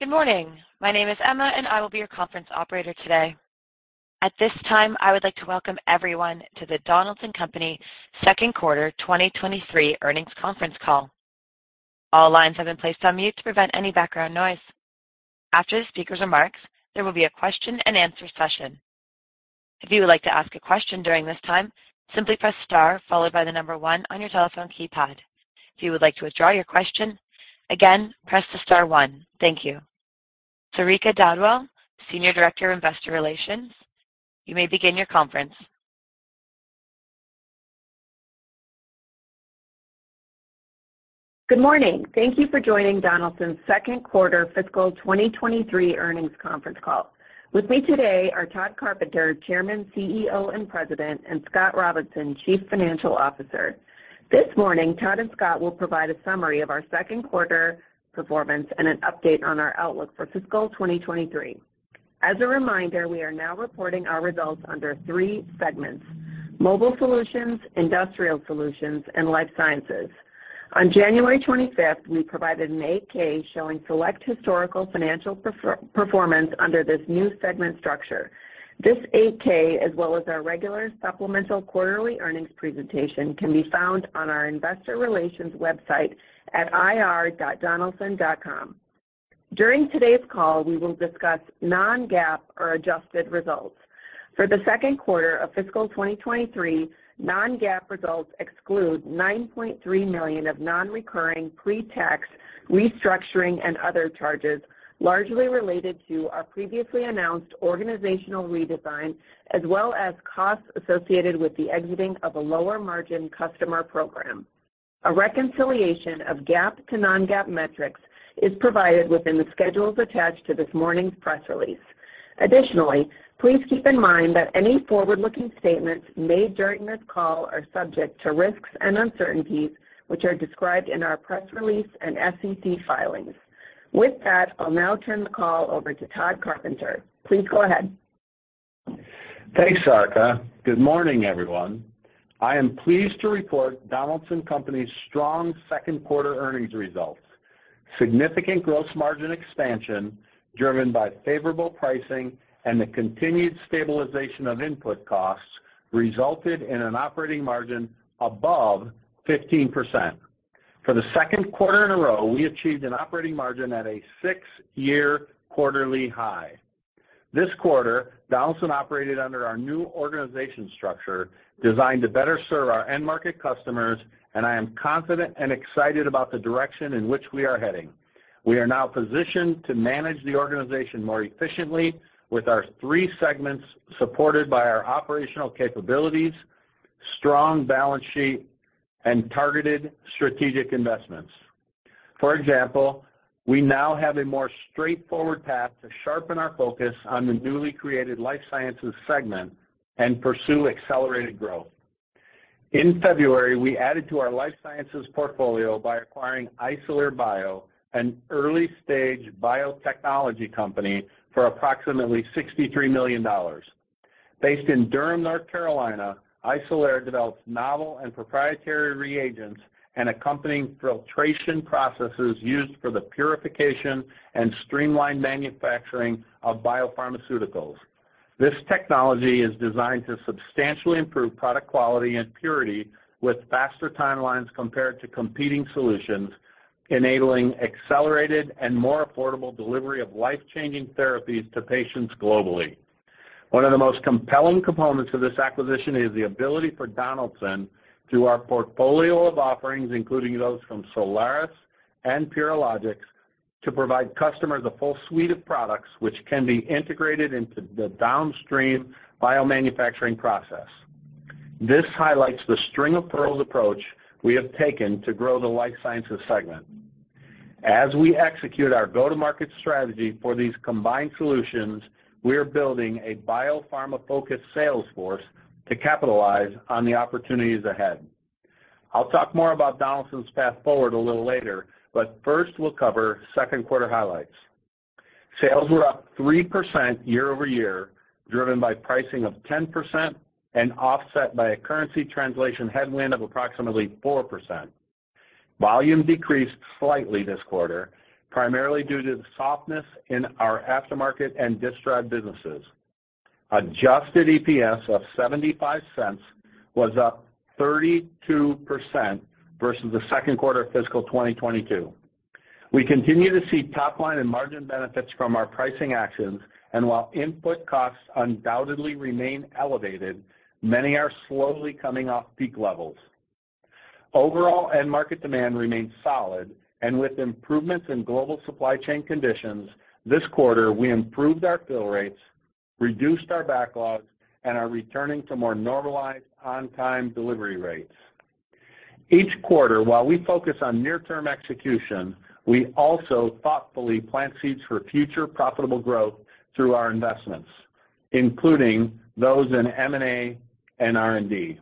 Good morning. My name is Emma. I will be your conference operator today. At this time, I would like to welcome everyone to the Donaldson Company second quarter 2023 earnings conference call. All lines have been placed on mute to prevent any background noise. After the speaker's remarks, there will be a question-and-answer session. If you would like to ask a question during this time, simply press star followed by one on your telephone keypad. If you would like to withdraw your question, again, press the star one. Thank you. Sarika Dhadwal, Senior Director of Investor Relations, you may begin your conference. Good morning. Thank you for joining Donaldson's second quarter fiscal 2023 earnings conference call. With me today are Tod Carpenter, Chairman, CEO, and President, and Scott Robinson, Chief Financial Officer. This morning, Tod and Scott will provide a summary of our second quarter performance and an update on our outlook for fiscal 2023. As a reminder, we are now reporting our results under three segments: Mobile Solutions, Industrial Solutions, and Life Sciences. On January 25th, we provided an 8-K showing select historical financial performance under this new segment structure. This 8-K, as well as our regular supplemental quarterly earnings presentation, can be found on our investor relations website at ir.donaldson.com. During today's call, we will discuss non-GAAP or adjusted results. For the second quarter of fiscal 2023, non-GAAP results exclude $9.3 million of non-recurring pre-tax restructuring and other charges, largely related to our previously announced organizational redesign, as well as costs associated with the exiting of a lower margin customer program. A reconciliation of GAAP to non-GAAP metrics is provided within the schedules attached to this morning's press release. Please keep in mind that any forward-looking statements made during this call are subject to risks and uncertainties, which are described in our press release and SEC filings. With that, I'll now turn the call over to Tod Carpenter. Please go ahead. Thanks, Sarika. Good morning, everyone. I am pleased to report Donaldson Company's strong second quarter earnings results. Significant gross margin expansion driven by favorable pricing and the continued stabilization of input costs resulted in an operating margin above 15%. For the second quarter in a row, we achieved an operating margin at a six-year quarterly high. This quarter, Donaldson operated under our new organization structure designed to better serve our end market customers, and I am confident and excited about the direction in which we are heading. We are now positioned to manage the organization more efficiently with our three segments supported by our operational capabilities, strong balance sheet, and targeted strategic investments. For example, we now have a more straightforward path to sharpen our focus on the newly created Life Sciences segment and pursue accelerated growth. In February, we added to our Life Sciences portfolio by acquiring Isolere Bio, an early-stage biotechnology company, for approximately $63 million. Based in Durham, North Carolina, Isolere develops novel and proprietary reagents and accompanying filtration processes used for the purification and streamlined manufacturing of biopharmaceuticals. This technology is designed to substantially improve product quality and purity with faster timelines compared to competing solutions, enabling accelerated and more affordable delivery of life-changing therapies to patients globally. One of the most compelling components of this acquisition is the ability for Donaldson, through our portfolio of offerings, including those from Solaris and Purilogics, to provide customers a full suite of products which can be integrated into the downstream biomanufacturing process. This highlights the string-of-pearls approach we have taken to grow the Life Sciences segment. As we execute our go-to-market strategy for these combined solutions, we are building a biopharma-focused sales force to capitalize on the opportunities ahead. I'll talk more about Donaldson's path forward a little later, but first we'll cover second quarter highlights. Sales were up 3% year-over-year, driven by pricing of 10% and offset by a currency translation headwind of approximately 4%. Volume decreased slightly this quarter, primarily due to the softness in our Aftermarket and Disk Drive businesses. Adjusted EPS of $0.75 was up 32% versus the second quarter of fiscal 2022. We continue to see top line and margin benefits from our pricing actions, and while input costs undoubtedly remain elevated, many are slowly coming off peak levels. Overall, end market demand remains solid. With improvements in global supply chain conditions, this quarter, we improved our fill rates, reduced our backlogs, and are returning to more normalized on-time delivery rates. Each quarter, while we focus on near-term execution, we also thoughtfully plant seeds for future profitable growth through our investments, including those in M&A and R&D.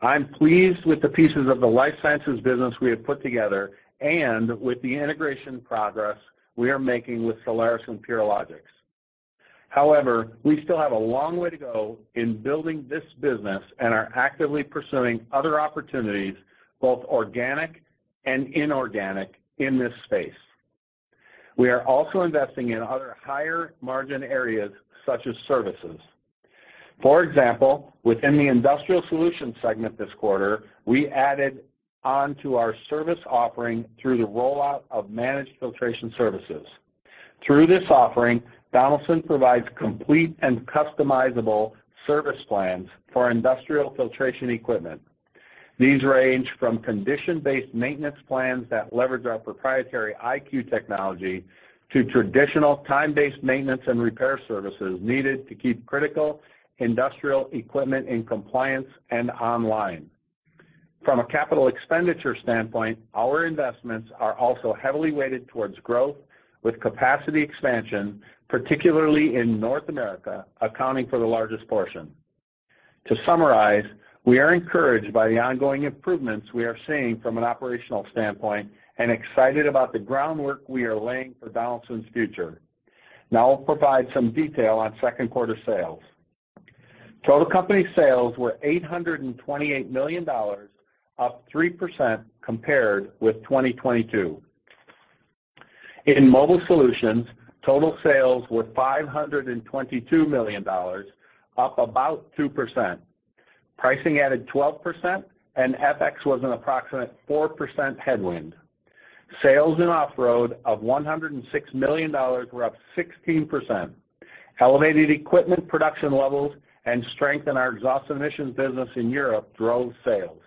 I'm pleased with the pieces of the Life Sciences business we have put together and with the integration progress we are making with Solaris and Purilogics. However, we still have a long way to go in building this business and are actively pursuing other opportunities, both organic and inorganic, in this space. We are also investing in other higher margin areas such as services. For example, within the Industrial Solutions segment this quarter, we added on to our service offering through the rollout of Managed Filtration Services. Through this offering, Donaldson provides complete and customizable service plans for industrial filtration equipment. These range from condition-based maintenance plans that leverage our proprietary iCue technology to traditional time-based maintenance and repair services needed to keep critical industrial equipment in compliance and online. From a capital expenditure standpoint, our investments are also heavily weighted towards growth with capacity expansion, particularly in North America, accounting for the largest portion. To summarize, we are encouraged by the ongoing improvements we are seeing from an operational standpoint and excited about the groundwork we are laying for Donaldson's future. Now I'll provide some detail on second quarter sales. Total company sales were $828 million, up 3% compared with 2022. In Mobile Solutions, total sales were $522 million, up about 2%. Pricing added 12% and FX was an approximate 4% headwind. Sales in off-road of $106 million were up 16%. Elevated equipment production levels and strength in our exhaust emissions business in Europe drove sales.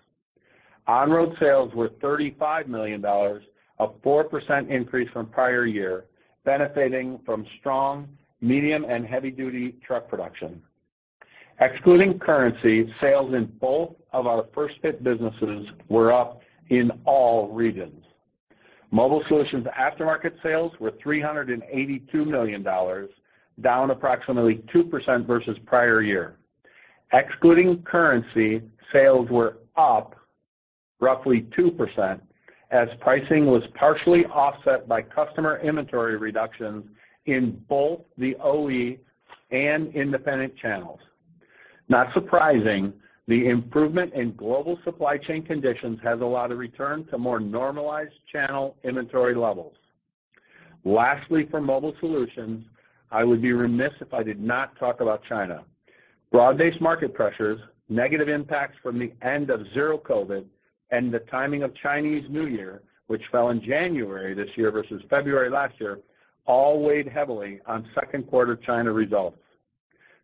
On-road sales were $35 million, a 4% increase from prior year, benefiting from strong, medium, and heavy duty truck production. Excluding currency, sales in both of our first fit businesses were up in all regions. Mobile Solutions aftermarket sales were $382 million, down approximately 2% versus prior year. Excluding currency, sales were up roughly 2% as pricing was partially offset by customer inventory reductions in both the OE and independent channels. Not surprising, the improvement in global supply chain conditions has allowed a return to more normalized channel inventory levels. Lastly, for Mobile Solutions, I would be remiss if I did not talk about China. Broad-based market pressures, negative impacts from the end of Zero COVID, and the timing of Chinese New Year, which fell in January this year versus February last year, all weighed heavily on second quarter China results.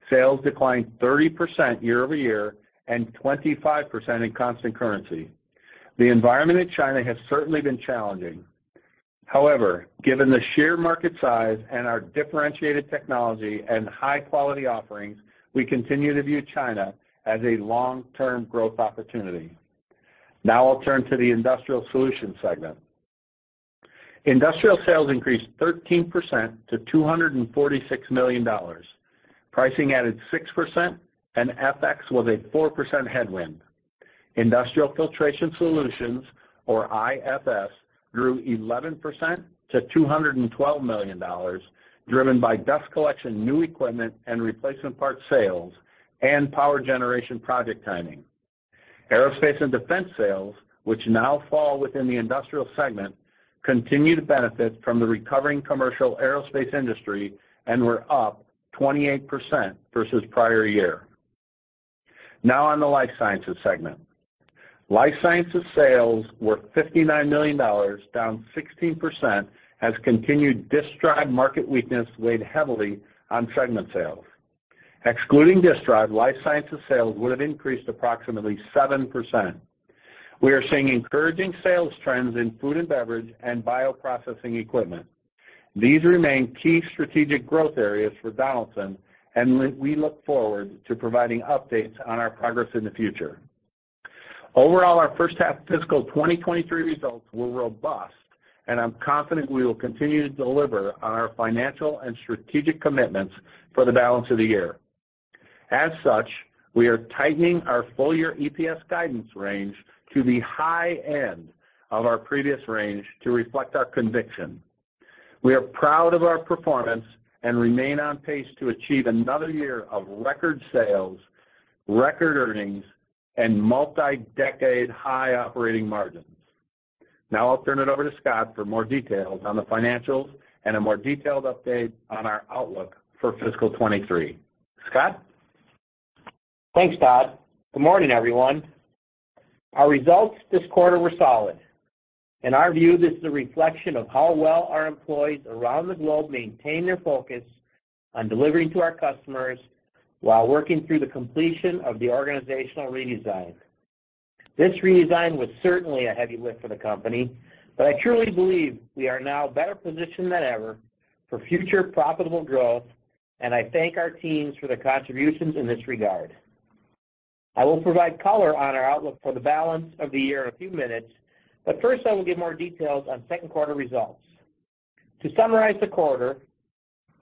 Sales declined 30% year-over-year and 25% in constant currency. The environment in China has certainly been challenging. However, given the sheer market size and our differentiated technology and high-quality offerings, we continue to view China as a long-term growth opportunity. Now I'll turn to the Industrial Solutions segment. Industrial sales increased 13% to $246 million. Pricing added 6% and FX was a 4% headwind. Industrial Filtration Solutions, or IFS, grew 11% to $212 million, driven by dust collection new equipment and replacement parts sales and power generation project timing. Aerospace and Defense sales, which now fall within the Industrial Solutions segment, continue to benefit from the recovering commercial aerospace industry and were up 28% versus prior year. Now on the Life Sciences segment. Life Sciences sales were $59 million, down 16% as continued Disk Drive market weakness weighed heavily on segment sales. Excluding Disk Drive, Life Sciences sales would have increased approximately 7%. We are seeing encouraging sales trends in food and beverage and bioprocessing equipment. These remain key strategic growth areas for Donaldson, and we look forward to providing updates on our progress in the future. Overall, our first half fiscal 2023 results were robust, and I'm confident we will continue to deliver on our financial and strategic commitments for the balance of the year. As such, we are tightening our full year EPS guidance range to the high end of our previous range to reflect our conviction. We are proud of our performance and remain on pace to achieve another year of record sales, record earnings, and multi-decade high operating margins. Now I'll turn it over to Scott for more details on the financials and a more detailed update on our outlook for fiscal 2023. Scott? Thanks, Tod. Good morning, everyone. Our results this quarter were solid. In our view, this is a reflection of how well our employees around the globe maintain their focus on delivering to our customers while working through the completion of the organizational redesign. This redesign was certainly a heavy lift for the company, I truly believe we are now better positioned than ever for future profitable growth, I thank our teams for their contributions in this regard. I will provide color on our outlook for the balance of the year in a few minutes, first I will give more details on second quarter results. To summarize the quarter,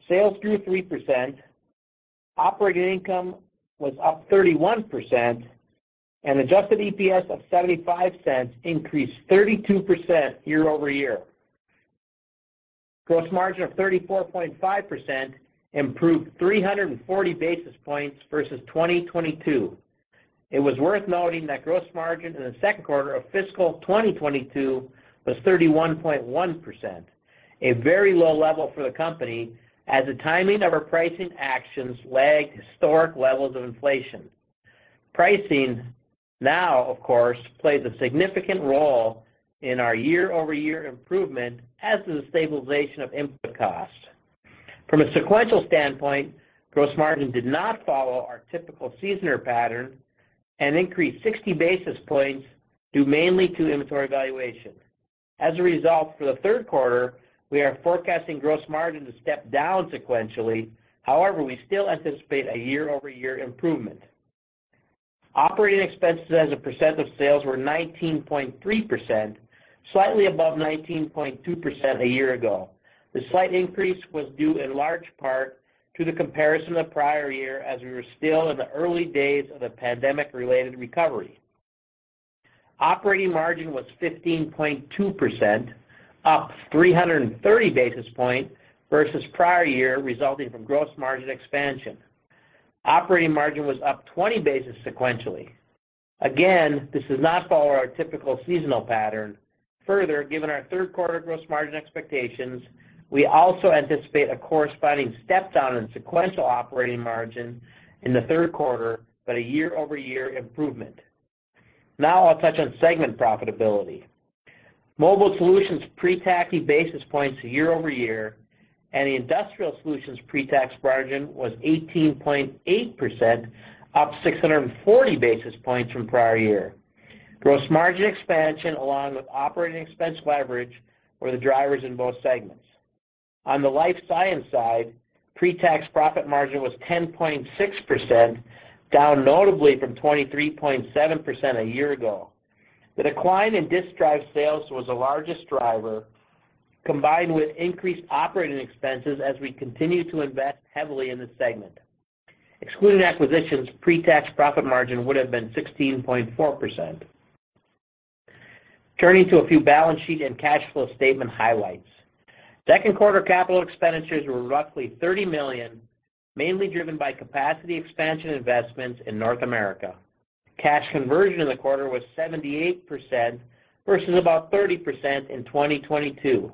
sales grew 3%. Operating income was up 31% and Adjusted EPS of $0.75 increased 32% year-over-year. Gross margin of 34.5% improved 340 basis points versus 2022. It was worth noting that gross margin in the second quarter of fiscal 2022 was 31.1%. A very low level for the company as the timing of our pricing actions lagged historic levels of inflation. Pricing now, of course, plays a significant role in our year-over-year improvement as to the stabilization of input costs. From a sequential standpoint, gross margin did not follow our typical seasonal pattern and increased 60 basis points due mainly to inventory valuation. As a result, for the third quarter, we are forecasting gross margin to step down sequentially. We still anticipate a year-over-year improvement. Operating expenses as a percent of sales were 19.3%, slightly above 19.2% a year ago. The slight increase was due in large part to the comparison to the prior year as we were still in the early days of the pandemic related recovery. Operating margin was 15.2%, up 330 basis point versus prior year, resulting from gross margin expansion. Operating margin was up 20 basis sequentially. Again, this does not follow our typical seasonal pattern. Further, given our third quarter gross margin expectations, we also anticipate a corresponding step down in sequential operating margin in the third quarter, but a year-over-year improvement. Now I'll touch on segment profitability. Mobile Solutions pre-tax basis points year-over-year and the Industrial Solutions pre-tax margin was 18.8%, up 640 basis points from prior year. Gross margin expansion along with operating expense leverage were the drivers in both segments. On the Life Sciences side, pre-tax profit margin was 10.6%, down notably from 23.7% a year ago. The decline in Disk Drive sales was the largest driver, combined with increased operating expenses as we continue to invest heavily in this segment. Excluding acquisitions, pre-tax profit margin would have been 16.4%. Turning to a few balance sheet and cash flow statement highlights. Second quarter capital expenditures were roughly $30 million, mainly driven by capacity expansion investments in North America. Cash conversion in the quarter was 78% versus about 30% in 2022.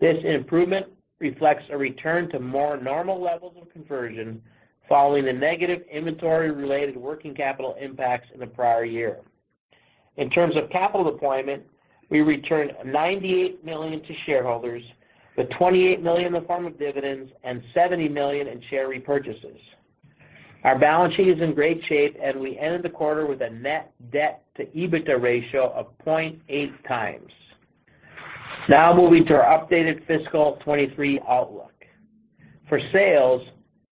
This improvement reflects a return to more normal levels of conversion following the negative inventory related working capital impacts in the prior year. In terms of capital deployment, we returned $98 million to shareholders with $28 million in the form of dividends and $70 million in share repurchases. Our balance sheet is in great shape, and we ended the quarter with a net debt to EBITDA ratio of 0.8x. Moving to our updated fiscal 2023 outlook. For sales,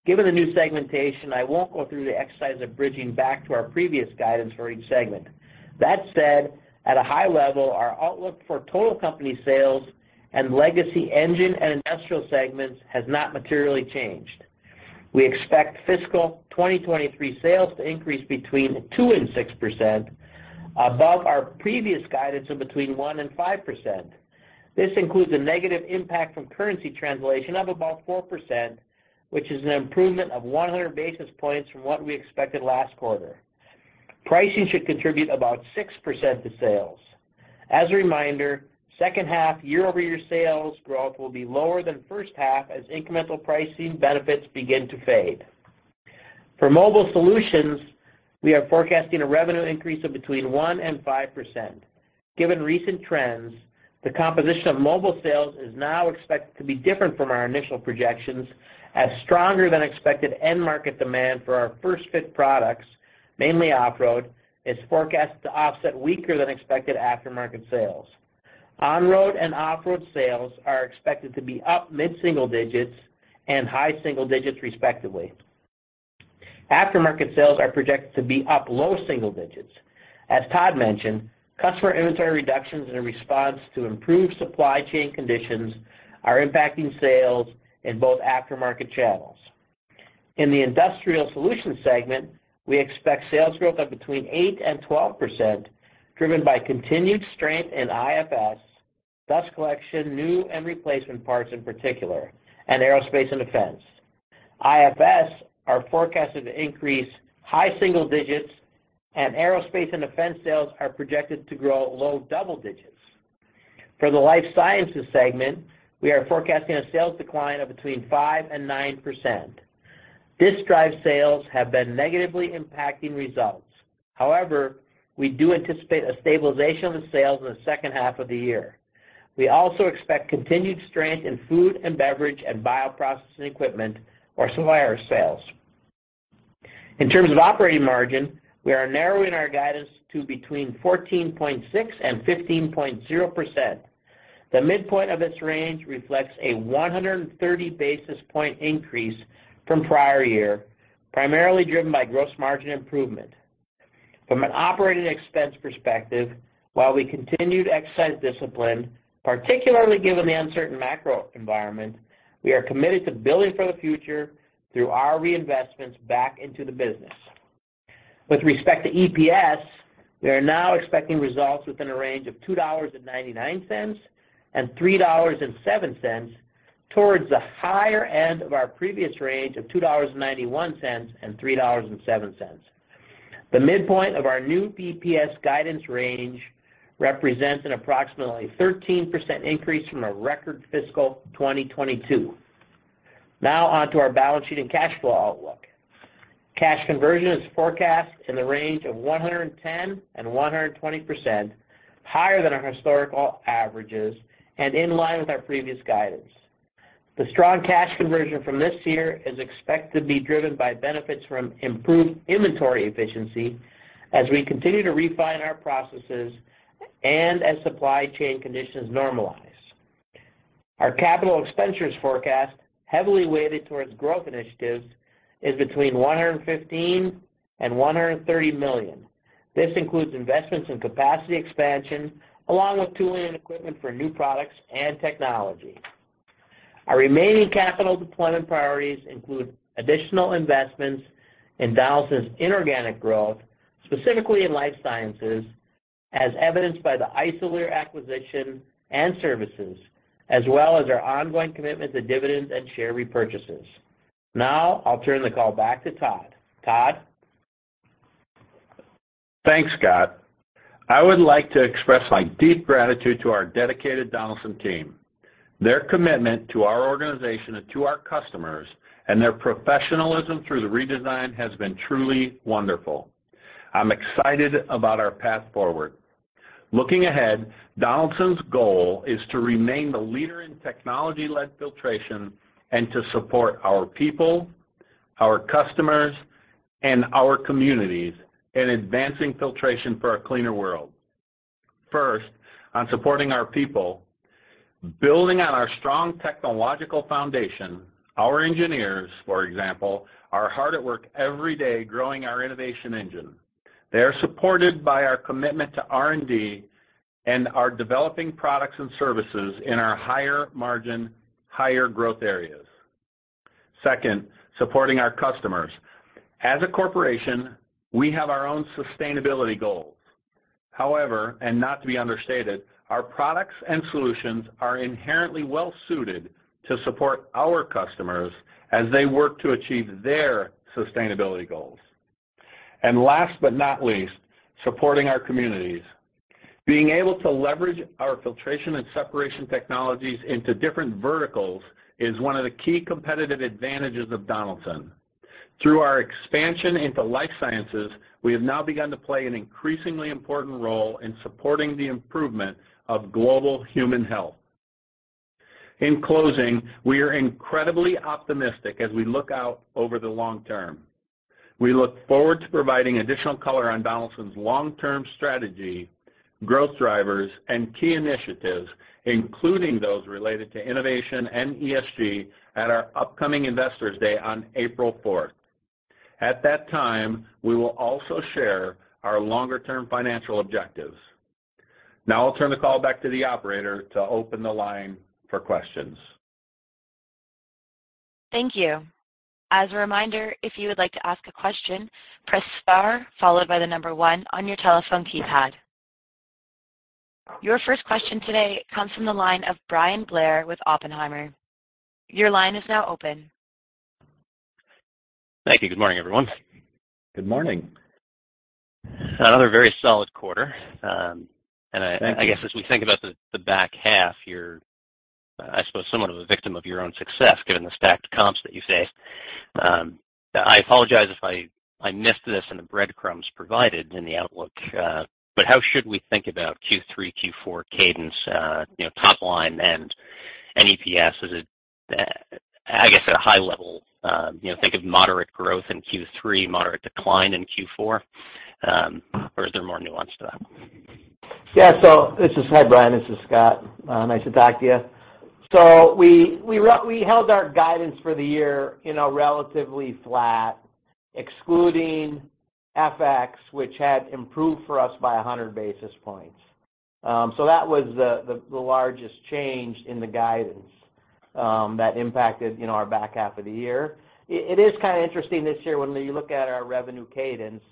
given the new segmentation, I won't go through the exercise of bridging back to our previous guidance for each segment. That said, at a high level, our outlook for total company sales and legacy engine and industrial segments has not materially changed. We expect fiscal 2023 sales to increase between 2% and 6% above our previous guidance of between 1% and 5%. This includes a negative impact from currency translation of about 4%, which is an improvement of 100 basis points from what we expected last quarter. Pricing should contribute about 6% to sales. As a reminder, second half year-over-year sales growth will be lower than first half as incremental pricing benefits begin to fade. For Mobile Solutions, we are forecasting a revenue increase of between 1% and 5%. Given recent trends, the composition of mobile sales is now expected to be different from our initial projections as stronger than expected end market demand for our first-fit products, mainly off-road, is forecast to offset weaker than expected aftermarket sales. On-road and off-road sales are expected to be up mid-single digits and high single digits respectively. Aftermarket sales are projected to be up low single digits. As Tod mentioned, customer inventory reductions in response to improved supply chain conditions are impacting sales in both aftermarket channels. In the Industrial Solutions segment, we expect sales growth of between 8% and 12%, driven by continued strength in IFS, dust collection, new and replacement parts in particular, and Aerospace and Defense. IFS are forecasted to increase high single digits. Aerospace and Defense sales are projected to grow low double-digits. For the Life Sciences segment, we are forecasting a sales decline of between 5% and 9%. Disk Drive sales have been negatively impacting results. However, we do anticipate a stabilization of the sales in the second half of the year. We also expect continued strength in food and beverage and bioprocessing equipment or supplier sales. In terms of operating margin, we are narrowing our guidance to between 14.6% and 15.0%. The midpoint of this range reflects a 130 basis point increase from prior year, primarily driven by gross margin improvement. From an operating expense perspective, while we continued expense discipline, particularly given the uncertain macro environment, we are committed to building for the future through our reinvestments back into the business. With respect to EPS, we are now expecting results within a range of $2.99-$3.07 towards the higher end of our previous range of $2.91-$3.07. The midpoint of our new EPS guidance range represents an approximately 13% increase from a record fiscal 2022. Now on to our balance sheet and cash flow outlook. Cash conversion is forecast in the range of 110% and 120% higher than our historical averages and in line with our previous guidance. The strong cash conversion from this year is expected to be driven by benefits from improved inventory efficiency as we continue to refine our processes and as supply chain conditions normalize. Our capital expenditures forecast heavily weighted towards growth initiatives is between $115 million and $130 million. This includes investments in capacity expansion, along with tooling and equipment for new products and technology. Our remaining capital deployment priorities include additional investments in Donaldson's inorganic growth, specifically in Life Sciences, as evidenced by the Isolere acquisition and services, as well as our ongoing commitment to dividends and share repurchases. I'll turn the call back to Tod. Tod? Thanks, Scott. I would like to express my deep gratitude to our dedicated Donaldson team. Their commitment to our organization and to our customers and their professionalism through the redesign has been truly wonderful. I'm excited about our path forward. Looking ahead, Donaldson's goal is to remain the leader in technology-led filtration and to support our people, our customers, and our communities in advancing filtration for a cleaner world. First, on supporting our people, building on our strong technological foundation, our engineers, for example, are hard at work every day growing our innovation engine. They are supported by our commitment to R&D and are developing products and services in our higher margin, higher growth areas. Second, supporting our customers. As a corporation, we have our own sustainability goals. However, and not to be understated, our products and solutions are inherently well-suited to support our customers as they work to achieve their sustainability goals. Last but not least, supporting our communities. Being able to leverage our filtration and separation technologies into different verticals is one of the key competitive advantages of Donaldson. Through our expansion into life sciences, we have now begun to play an increasingly important role in supporting the improvement of global human health. In closing, we are incredibly optimistic as we look out over the long term. We look forward to providing additional color on Donaldson's long-term strategy, growth drivers, and key initiatives, including those related to innovation and ESG at our upcoming Investors Day on April 4th. At that time, we will also share our longer-term financial objectives. Now I'll turn the call back to the operator to open the line for questions. Thank you. As a reminder, if you would like to ask a question, press star followed by the number one on your telephone keypad. Your first question today comes from the line of Bryan Blair with Oppenheimer. Your line is now open. Thank you. Good morning, everyone. Good morning. Another very solid quarter. Thank you. I guess as we think about the back half, you're, I suppose somewhat of a victim of your own success given the stacked comps that you face. I apologize if I missed this in the breadcrumbs provided in the outlook. How should we think about Q3, Q4 cadence, you know, top line and EPS? Is it, I guess at a high level, you know, think of moderate growth in Q3, moderate decline in Q4, or is there more nuance to that? Yeah. Hi, Bryan, this is Scott. Nice to talk to you. We held our guidance for the year, you know, relatively flat, excluding FX, which had improved for us by 100 basis points. That was the largest change in the guidance that impacted, you know, our back half of the year. It is kind of interesting this year when you look at our revenue cadence.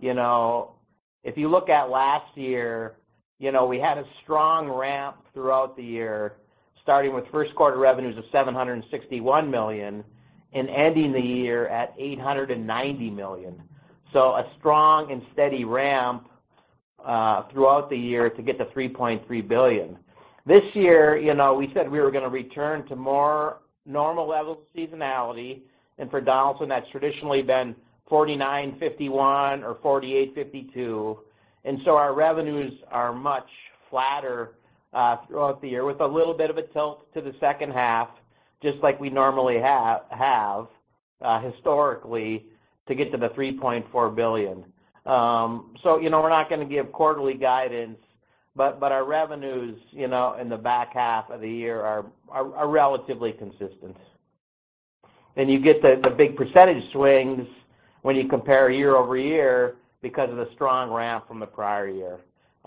You know, if you look at last year, you know, we had a strong ramp throughout the year, starting with first quarter revenues of $761 million and ending the year at $890 million. A strong and steady ramp throughout the year to get to $3.3 billion. This year, you know, we said we were gonna return to more normal levels of seasonality. For Donaldson, that's traditionally been 49, 51 or 48, 52. Our revenues are much flatter throughout the year with a little bit of a tilt to the second half, just like we normally have historically to get to the $3.4 billion. You know, we're not gonna give quarterly guidance, but our revenues, you know, in the back half of the year are relatively consistent. You get the big percentage swings when you compare year-over-year because of the strong ramp from the prior year.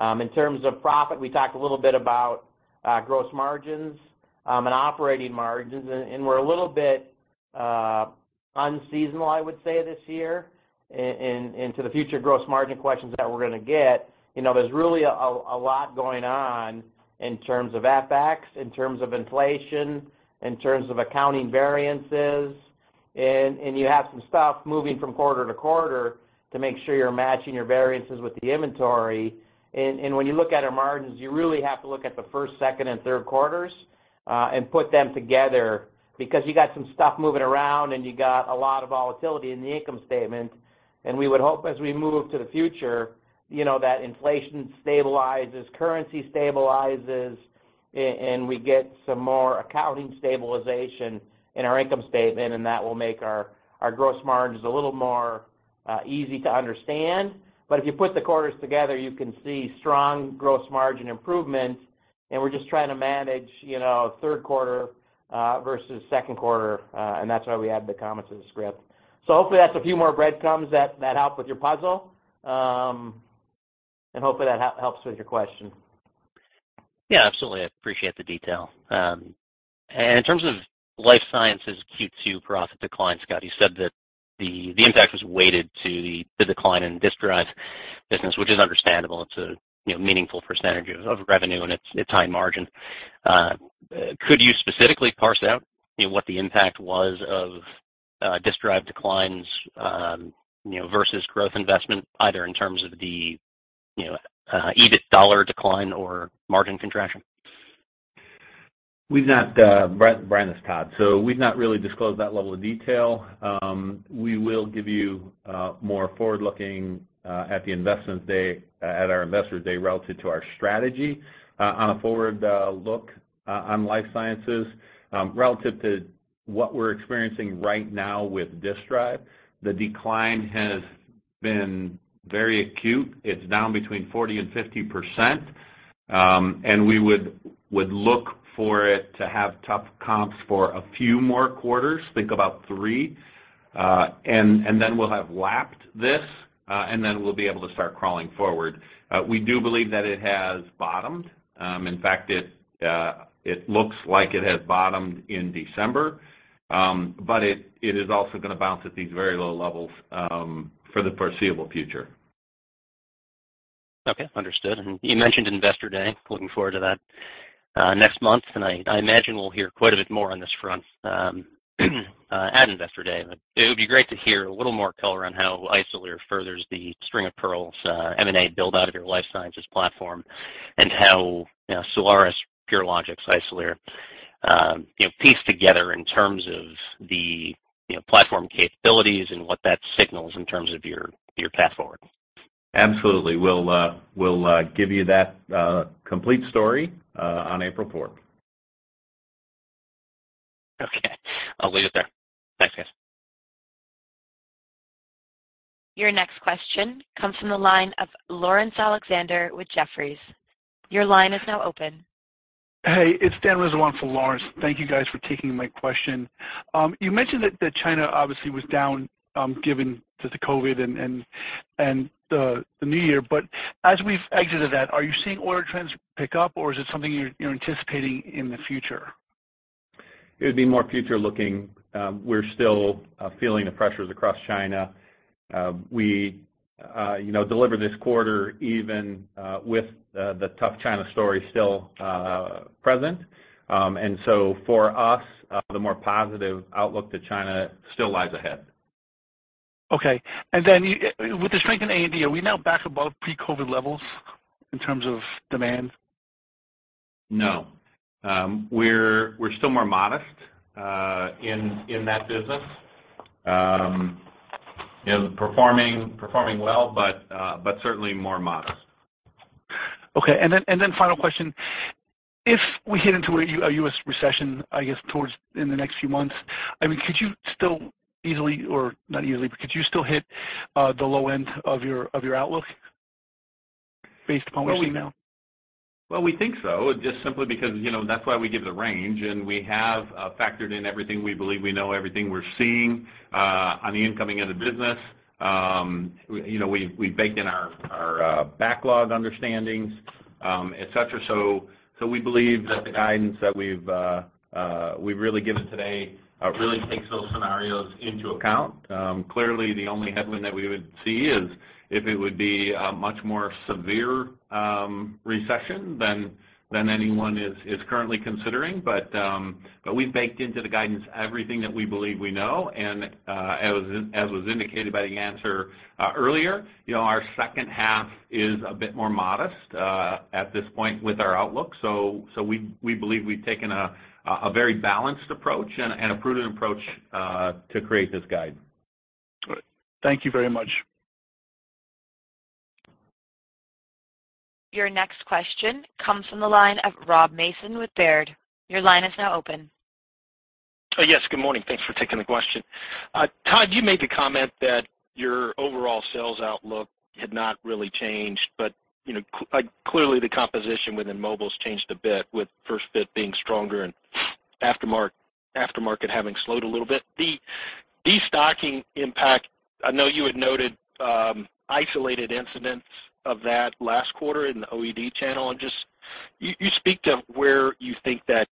it, we talked a little bit about gross margins and operating margins, and we're a little bit unseasonal, I would say, this year, and to the future gross margin questions that we're going to get. You know, there's really a lot going on in terms of FX, in terms of inflation, in terms of accounting variances. And you have some stuff moving from quarter to quarter to make sure you're matching your variances with the inventory. And when you look at our margins, you really have to look at the first, second and third quarters and put them together because you got some stuff moving around, and you got a lot of volatility in the income statement. We would hope as we move to the future, you know, that inflation stabilizes, currency stabilizes, and we get some more accounting stabilization in our income statement, and that will make our gross margins a little more easy to understand. If you put the quarters together, you can see strong gross margin improvements, and we're just trying to manage, you know, third quarter versus second quarter, and that's why we added the comments to the script. Hopefully, that's a few more breadcrumbs that help with your puzzle. Hopefully that helps with your question. Yeah, absolutely. I appreciate the detail. In terms of Life Sciences Q2 profit decline, Scott, you said that the impact was weighted to the decline in Disk Drive business, which is understandable. It's a, you know, meaningful percentage of revenue, and it's a high margin. Could you specifically parse out, you know, what the impact was of Disk Drive declines, you know, versus growth investment, either in terms of the, you know, EBIT dollar decline or margin contraction? We've not, Bryan, this is Tod. We've not really disclosed that level of detail. We will give you more forward-looking at the investments day at our investors day relative to our strategy. On a forward look on Life Sciences, relative to what we're experiencing right now with Disk Drive, the decline has been very acute. It's down between 40% and 50%, and we would look for it to have tough comps for a few more quarters, think about three. Then we'll have lapped this, then we'll be able to start crawling forward. We do believe that it has bottomed. In fact, it looks like it has bottomed in December, but it is also gonna bounce at these very low levels for the foreseeable future. Okay. Understood. You mentioned Investor Day. Looking forward to that next month. I imagine we'll hear quite a bit more on this front at Investor Day, but it would be great to hear a little more color on how Isolere further the string-of-pearls M&A build out of your Life Sciences platform and how, you know, Solaris, Purilogics, Isolere, you know, piece together in terms of the, you know, platform capabilities and what that signals in terms of your path forward. Absolutely. We'll give you that complete story on April 4th. Okay. I'll leave it there. Thanks, guys. Your next question comes from the line of Laurence Alexander with Jefferies. Your line is now open. Hey, it's Dan Rizzo for Laurence Alexander. Thank you guys for taking my question. You mentioned that China obviously was down, given the COVID and the New Year. As we've exited that, are you seeing order trends pick up, or is it something you're anticipating in the future? It would be more future-looking. We're still feeling the pressures across China. We, you know, delivered this quarter even with the tough China story still present. For us, the more positive outlook to China still lies ahead. Okay. With the strength in A&D, are we now back above pre-COVID levels in terms of demand? No. We're still more modest in that business. You know, performing well, but certainly more modest. Okay. Final question. If we head into a U.S. recession, I guess towards in the next few months, I mean, could you still easily or not easily, but could you still hit the low end of your outlook based upon what you see now? We think so, just simply because, you know, that's why we give the range, and we have factored in everything we believe we know, everything we're seeing on the incoming into business. You know, we baked in our backlog understandings, et cetera. We believe that the guidance that we've we've really given today really takes those scenarios into account. Clearly, the only headwind that we would see is if it would be a much more severe recession than anyone is currently considering. We've baked into the guidance everything that we believe we know. As was indicated by the answer earlier, you know, our second half is a bit more modest at this point with our outlook. We believe we've taken a very balanced approach and a prudent approach to create this guide. All right. Thank you very much. Your next question comes from the line of Rob Mason with Baird. Your line is now open. Yes, good morning. Thanks for taking the question. Tod, you made the comment that your overall sales outlook had not really changed, but, you know, clearly the composition within Mobile's changed a bit with first fit being stronger and aftermarket having slowed a little bit. The destocking impact, I know you had noted, isolated incidents of that last quarter in the OED channel. Just, you speak to where you think that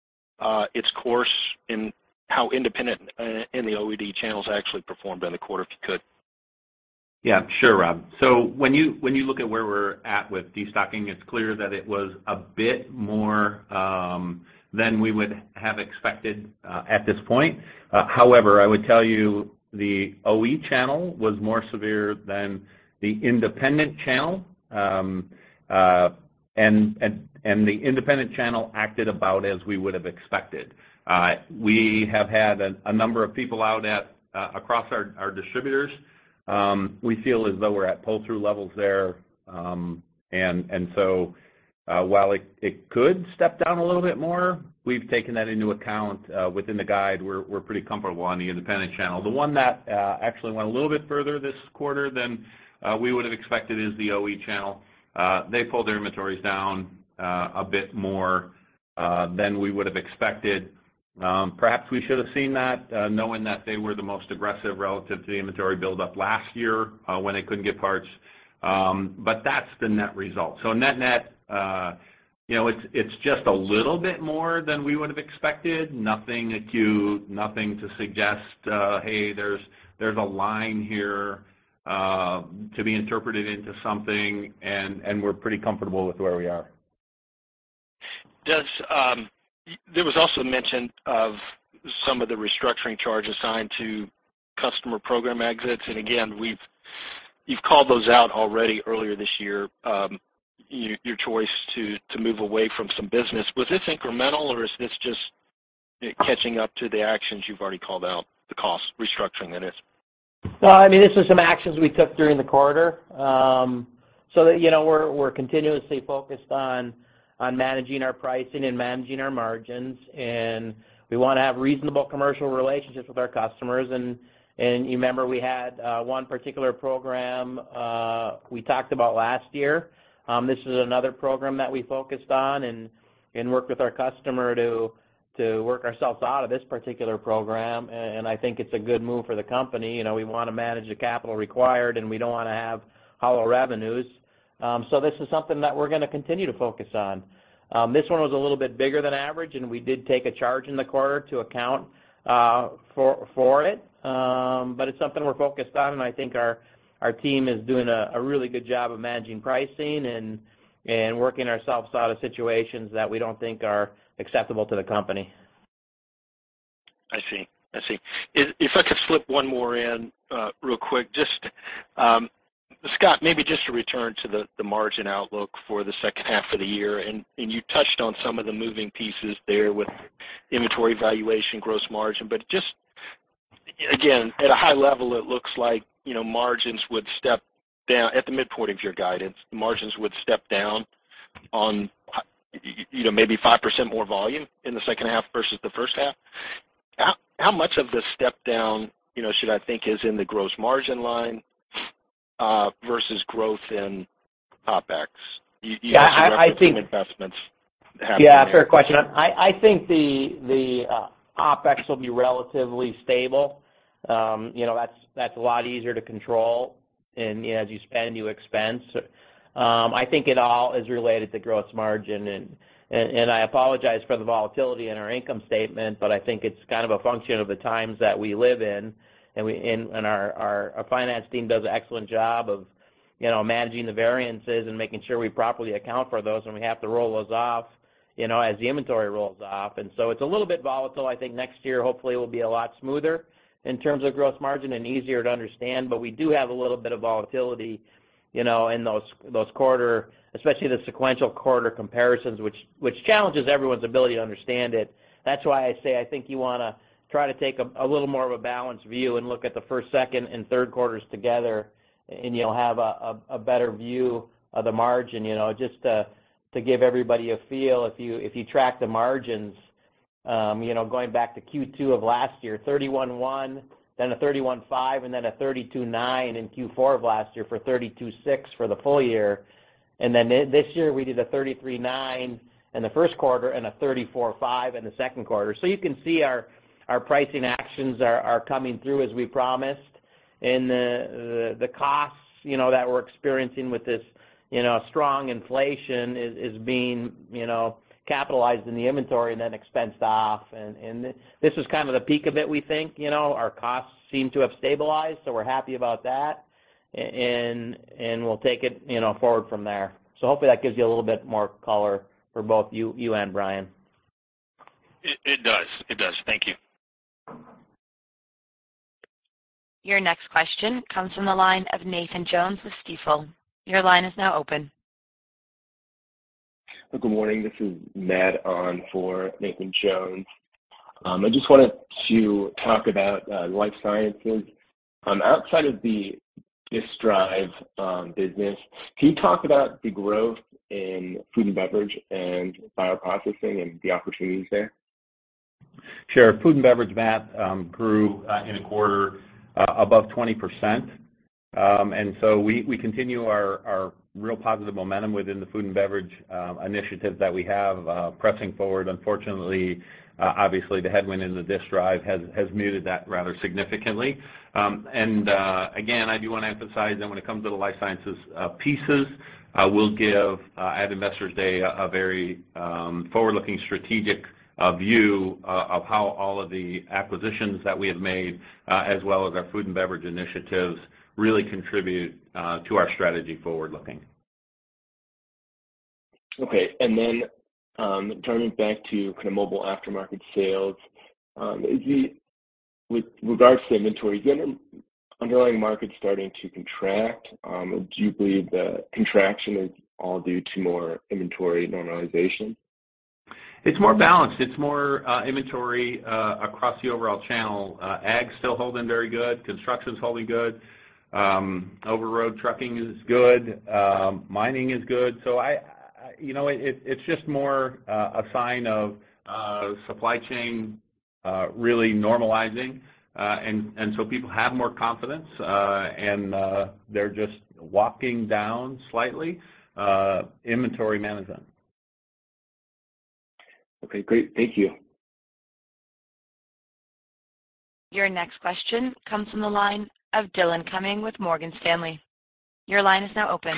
its course and how independent and the OED channels actually performed in the quarter, if you could? Sure, Rob. When you look at where we're at with destocking, it's clear that it was a bit more than we would have expected at this point. However, I would tell you the OE channel was more severe than the independent channel. And the independent channel acted about as we would have expected. We have had a number of people out at across our distributors. We feel as though we're at pull-through levels there. And so, while it could step down a little bit more, we've taken that into account within the guide. We're pretty comfortable on the independent channel. The one that actually went a little bit further this quarter than we would have expected is the OE channel. They pulled their inventories down a bit more than we would have expected. Perhaps we should have seen that, knowing that they were the most aggressive relative to the inventory buildup last year, when they couldn't get parts. But that's the net result. Net-net, you know, it's just a little bit more than we would have expected. Nothing acute, nothing to suggest, hey, there's a line here to be interpreted into something, and we're pretty comfortable with where we are. Does there was also mention of some of the restructuring charges signed to customer program exits. Again, you've called those out already earlier this year, your choice to move away from some business. Was this incremental or is this just catching up to the actions you've already called out, the cost restructuring, that is? I mean, this is some actions we took during the quarter. That, you know, we're continuously focused on managing our pricing and managing our margins, and we wanna have reasonable commercial relationships with our customers. You remember we had one particular program we talked about last year. This is another program that we focused on and worked with our customer to work ourselves out of this particular program. I think it's a good move for the company. You know, we wanna manage the capital required, and we don't wanna have hollow revenues. This is something that we're gonna continue to focus on. This one was a little bit bigger than average, and we did take a charge in the quarter to account for it. It's something we're focused on, and I think our team is doing a really good job of managing pricing and working ourselves out of situations that we don't think are acceptable to the company. I see. I see. If I could slip one more in, real quick. Just Scott, maybe just to return to the margin outlook for the second half of the year. You touched on some of the moving pieces there with inventory valuation, gross margin. Just, again, at a high level, it looks like, you know, margins would step down at the midpoint of your guidance. Margins would step down on, you know, maybe 5% more volume in the second half versus the first half. How much of the step down, you know, should I think is in the gross margin line versus growth in OpEx? Yeah. I think. Investments happening there. Yeah, fair question. I think the OpEx will be relatively stable. You know, that's a lot easier to control, and, you know, as you spend, you expense. I think it all is related to gross margin. I apologize for the volatility in our income statement, but I think it's kind of a function of the times that we live in. Our finance team does an excellent job of, you know, managing the variances and making sure we properly account for those, and we have to roll those off, you know, as the inventory rolls off. So it's a little bit volatile. I think next year, hopefully will be a lot smoother in terms of gross margin and easier to understand. We do have a little bit of volatility, you know, in those quarter, especially the sequential quarter comparisons, which challenges everyone's ability to understand it. That's why I say I think you wanna try to take a little more of a balanced view and look at the first, second, and third quarters together, and you'll have a better view of the margin. You know, just to give everybody a feel, if you track the margins, you know, going back to Q2 of last year, 31.1%, then a 31.5%, and then a 32.9% in Q4 of last year for 32.6% for the full year. Then this year we did a 33.9% in the first quarter and a 34.5% in the second quarter. You can see our pricing actions are coming through as we promised. The costs, you know, that we're experiencing with this, you know, strong inflation is being, you know, capitalized in the inventory and then expensed off. This was kind of the peak of it, we think, you know. Our costs seem to have stabilized, we're happy about that. We'll take it, you know, forward from there. Hopefully that gives you a little bit more color for both you and Bryan. It does. It does. Thank you. Your next question comes from the line of Nathan Jones with Stifel. Your line is now open. Good morning. This is Matt on for Nathan Jones. I just wanted to talk about Life Sciences. On outside of the Disk Drive business, can you talk about the growth in food and beverage and bioprocessing and the opportunities there? Sure. Food and beverage Matt, grew in a quarter above 20%. We continue our real positive momentum within the food and beverage initiatives that we have pressing forward. Unfortunately, obviously, the headwind in the Disk Drive has muted that rather significantly. Again, I do wanna emphasize that when it comes to the Life Sciences pieces, we'll give at Investors Day a very forward-looking strategic view of how all of the acquisitions that we have made, as well as our food and beverage initiatives really contribute to our strategy forward-looking. Okay. Turning back to kind of mobile aftermarket sales, with regards to inventory, given underlying markets starting to contract, do you believe the contraction is all due to more inventory normalization? It's more balanced. It's more inventory across the overall channel. Ag's still holding very good. Construction's holding good. Over-road trucking is good. Mining is good. You know, it's just more a sign of supply chain really normalizing. People have more confidence and they're just walking down slightly inventory management. Okay, great. Thank you. Your next question comes from the line of Dillon Cumming with Morgan Stanley. Your line is now open.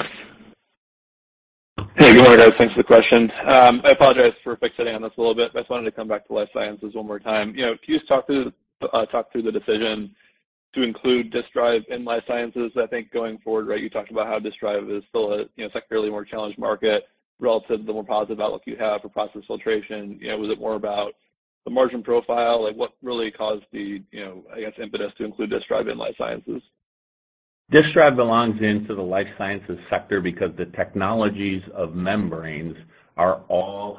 Good morning, guys. Thanks for the questions. I apologize for fixating on this a little bit, but I just wanted to come back to Life Sciences one more time. You know, can you just talk through the talk through the decision to include Disk Drive in Life Sciences? I think going forward, right, you talked about how Disk Drive is still a, you know, secondly more challenged market relative to the more positive outlook you have for process filtration. You know, was it more about the margin profile? Like, what really caused the, you know, I guess, impetus to include Disk Drive in Life Sciences? Disk Drive belongs into the Life Sciences sector because the technologies of membranes are all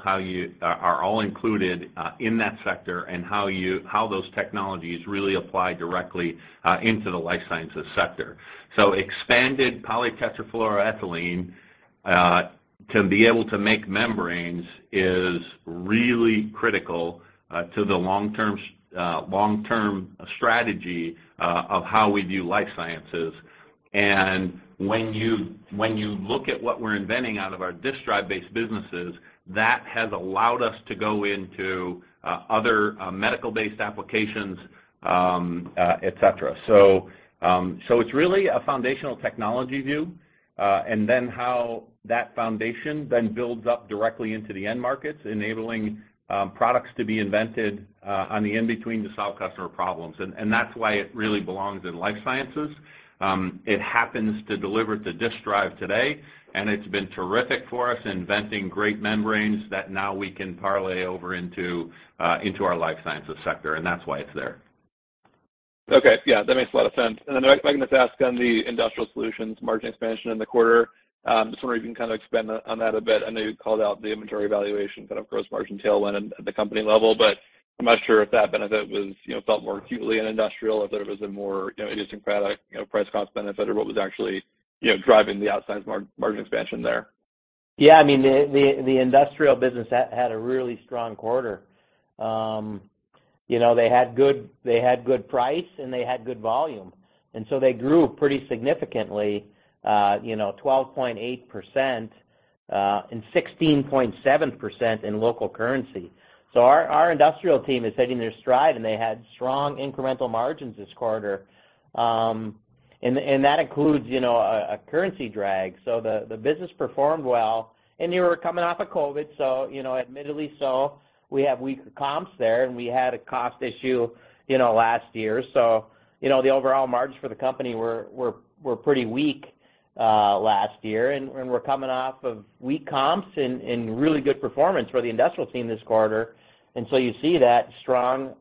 included in that sector and how those technologies really apply directly into the Life Sciences sector. Expanded polytetrafluoroethylene to be able to make membranes is really critical to the long-term strategy of how we view Life Sciences. When you look at what we're inventing out of our Disk Drive-based businesses, that has allowed us to go into other medical-based applications, et cetera. It's really a foundational technology view, and then how that foundation then builds up directly into the end markets, enabling products to be invented on the in-between to solve customer problems. That's why it really belongs in Life Sciences. It happens to deliver the Disk Drive today, and it's been terrific for us inventing great membranes that now we can parlay over into into our Life Sciences sector, and that's why it's there. Okay. Yeah, that makes a lot of sense. If I can just ask on the Industrial Solutions margin expansion in the quarter. Just wonder if you can kind of expand on that a bit. I know you called out the inventory valuation kind of gross margin tailwind at the company level, but I'm not sure if that benefit was, you know, felt more acutely in Industrial, if there was a more, you know, idiosyncratic, you know, price cost benefit or what was actually, you know, driving the outsized margin expansion there. Yeah. I mean, the Industrial business had a really strong quarter. You know, they had good price, and they had good volume. They grew pretty significantly, you know, 12.8% and 16.7% in local currency. Our Industrial team is hitting their stride, and they had strong incremental margins this quarter. That includes, you know, a currency drag. The business performed well. You were coming off of COVID, so you know, admittedly so, we have weaker comps there, and we had a cost issue, you know, last year. You know, the overall margins for the company were pretty weak last year. We're coming off of weak comps and really good performance for the industrial team this quarter. You see that strong,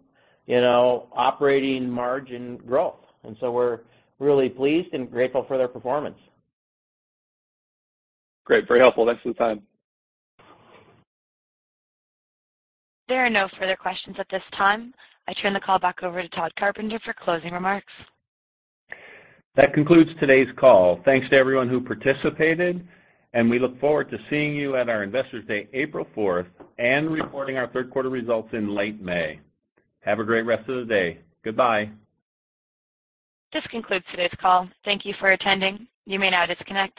you know, operating margin growth. We're really pleased and grateful for their performance. Great. Very helpful. Thanks for the time. There are no further questions at this time. I turn the call back over to Tod Carpenter for closing remarks. That concludes today's call. Thanks to everyone who participated, and we look forward to seeing you at our Investors Day, April 4th, and reporting our third quarter results in late May. Have a great rest of the day. Goodbye. This concludes today's call. Thank you for attending. You may now disconnect.